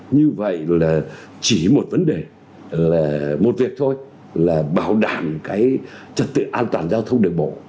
như vậy rồi là chỉ một vấn đề là một việc thôi là bảo đảm cái trật tự an toàn giao thông đường bộ